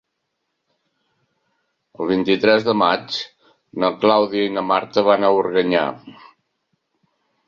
El vint-i-tres de maig na Clàudia i na Marta van a Organyà.